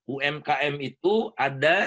umkm itu ada